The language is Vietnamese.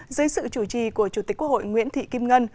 dưới sự chủ trì của chủ tịch quốc hội nguyễn thị kim ngân